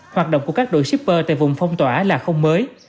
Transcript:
hoạt động của các đội shipper tại vùng phong tỏa là không mới